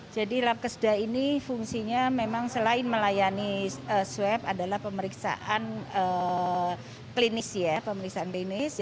jadi lap kesedah ini fungsinya memang selain melayani swab adalah pemeriksaan klinis